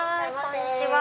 こんにちは。